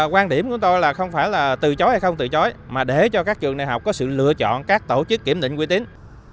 quan điểm của tôi là không phải là từ chối hay không từ chối mà để cho các trường đại học có sự lựa chọn các tổ chức kiểm định quy tính